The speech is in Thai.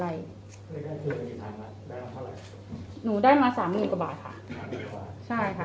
ได้มาเท่าไหร่หนูได้มาสามหมื่นกว่าบาทค่ะสามหมื่นกว่าใช่ค่ะ